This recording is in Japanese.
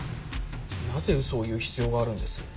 なぜ嘘を言う必要があるんです？